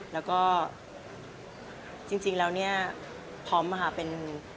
แล้วก็จริงแล้วเนี่ยพร้อมค่ะเป็น